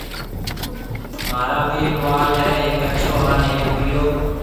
مهارا ٻي ٽوال هيَ هڪ اڇهو هانَ هڪ پِيڙو